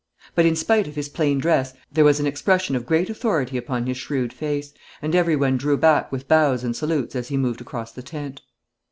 But in spite of his plain dress there was an expression of great authority upon his shrewd face, and every one drew back with bows and salutes as he moved across the tent.